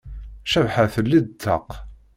Cabḥa telli-d ṭṭaq.